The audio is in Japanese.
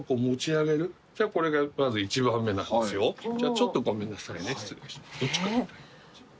ちょっとごめんなさいね失礼します。